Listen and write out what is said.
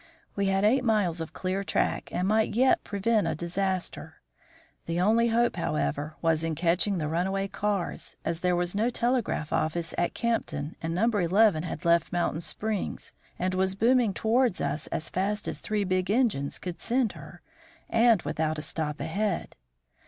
We had eight miles of clear track and might yet prevent a disaster. The only hope, however, was in catching the runaway cars, as there was no telegraph office at Campton and No. 11 had left Mountain Springs and was booming towards us as fast as three big engines could send her, and without a stop ahead.